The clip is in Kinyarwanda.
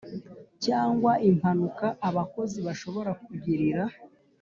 cyangwa impanuka abakozi bashobora kugirira